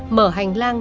mở hành lang